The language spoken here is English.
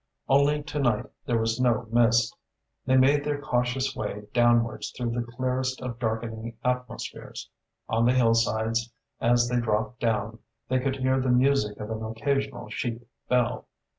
Only to night there was no mist. They made their cautious way downwards through the clearest of darkening atmospheres. On the hillsides, as they dropped down, they could hear the music of an occasional sheep bell.